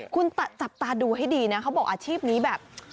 คุณจับตาดูให้ดีนะเขาบอกอาชีพนี้แบบ